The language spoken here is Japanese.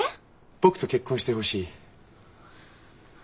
僕と結婚してほしい。